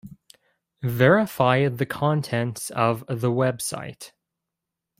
Verify the contents of the website.